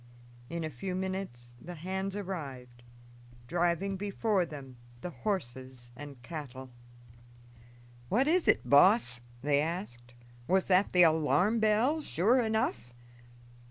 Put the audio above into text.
In a few minutes the hands arrived, driving before them the horses and cattle. "What is it, boss?" they asked. "Was that the alarm bell sure enough?"